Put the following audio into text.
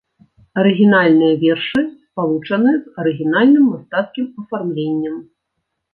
Арыгінальныя вершы спалучаны з арыгінальным мастацкім афармленнем.